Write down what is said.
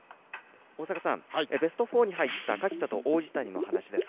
大坂さん、ベスト４に入った垣田と王子谷の話です。